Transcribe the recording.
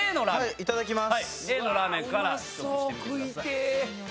いただきます。